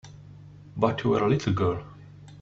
But you were a little girl.